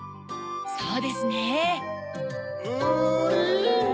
そうですね。